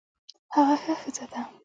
هغه ښه ښځه ده